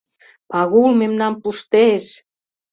Пагул мемнам пуштеш!